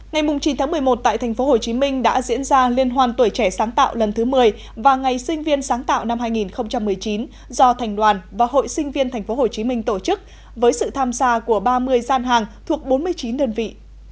ngày chín một mươi một tại tp hcm đã diễn ra liên hoan tuổi trẻ sáng tạo lần thứ một mươi và ngày sinh viên sáng tạo năm hai nghìn một mươi chín do thành đoàn và hội sinh viên tp hcm tổ chức với sự tham gia của ba mươi gian hàng thuộc bốn mươi chín đơn vị